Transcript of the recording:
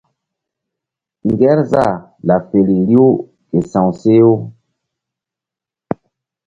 Ŋgerzah laɓ feri riw ke sa̧w seh-u.